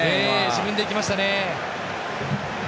自分で行きましたね。